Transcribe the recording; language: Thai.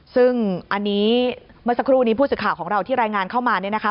ซึ่งอันนี้เมื่อสักครู่นี้ผู้สื่อข่าวของเราที่รายงานเข้ามา